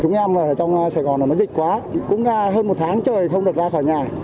chúng em ở trong sài gòn nó dịch quá cũng hơn một tháng trời không được ra khỏi nhà